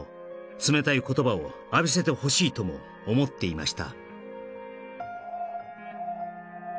「冷たい言葉を浴びせてほしいとも思っていました」